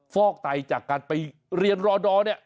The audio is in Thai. ฟอกไตจากการไปเรียนรอดอเนี่ย